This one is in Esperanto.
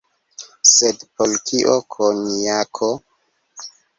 Sed por kio konjako?